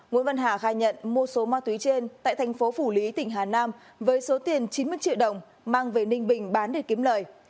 nguyễn văn hà khai nhận mua số ma túy trên tại thành phố phủ lý tỉnh hà nam với số tiền chín mươi triệu đồng mang về ninh bình bán để kiếm lời